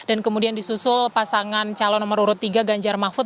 dan kemudian disusul pasangan calon nomor urut tiga ganjar mahfud